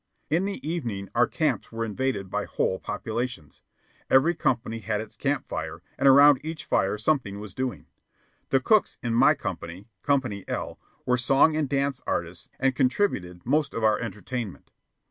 In the evenings our camps were invaded by whole populations. Every company had its campfire, and around each fire something was doing. The cooks in my company, Company L, were song and dance artists and contributed most of our entertainment.